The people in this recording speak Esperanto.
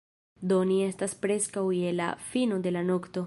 Do, ni estas preskaŭ je la fino de la nokto